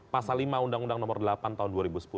pasal lima undang undang nomor delapan tahun dua ribu sepuluh